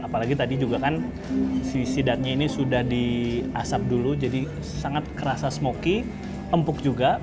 apalagi tadi juga kan si sidatnya ini sudah di asap dulu jadi sangat kerasa smoky empuk juga